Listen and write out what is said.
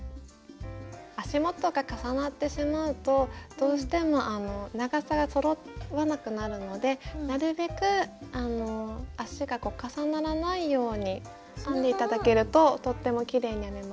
足元が重なってしまうとどうしても長さがそろわなくなるのでなるべく足が重ならないように編んで頂けるととってもきれいに編めます。